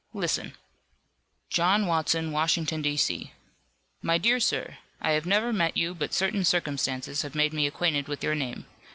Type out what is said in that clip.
Listen." "John Watson, Washington, D. C. "My dear sir: I have never met you, but certain circumstances have made me acquainted with your name.